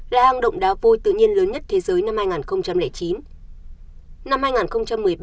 là hang động đáo cao